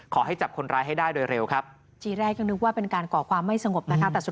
ขอให้จับคนร้ายให้ได้โดยเร็วครับ